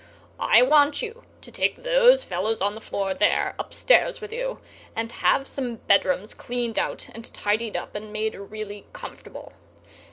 I want you to take those fellows on the floor there upstairs with you, and have some bedrooms cleaned out and tidied up and made really comfortable.